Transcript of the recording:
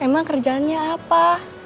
emang kerjaannya apa